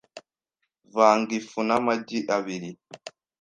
Vanga ifu n'amagi abiri .